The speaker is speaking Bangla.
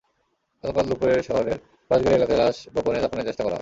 গতকাল দুপুরের শহরের বাঁশগাড়ি এলাকায় লাশ গোপনে দাফনের চেষ্টা করা হয়।